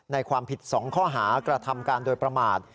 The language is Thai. ในความผิด๒ข้อหากระทำการโดยประมาท